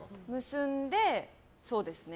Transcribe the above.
結んで、そうですね。